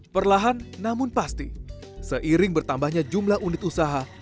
perlahan namun pasti seiring bertambahnya jumlah unit usaha